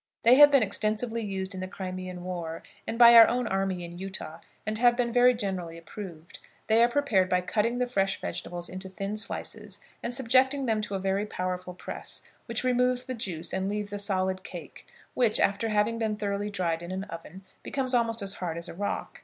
They have been extensively used in the Crimean war, and by our own army in Utah, and have been very generally approved. They are prepared by cutting the fresh vegetables into thin slices and subjecting them to a very powerful press, which removes the juice and leaves a solid cake, which, after having been thoroughly dried in an oven, becomes almost as hard as a rock.